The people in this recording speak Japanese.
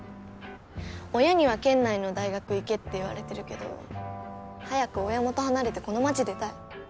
親には県内の大学行けって言われてるけど早く親元離れてこの町出たい。